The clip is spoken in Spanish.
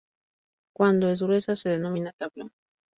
Cuando es gruesa se denomina tablón.